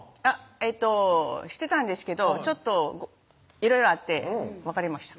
えっとしてたんですけどちょっといろいろあって別れました